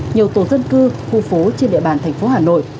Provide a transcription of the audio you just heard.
nhiều tổ dân cư khu phố trên địa bàn thành phố hà nội